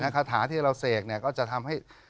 คาถาที่เราเสกก็จะทำให้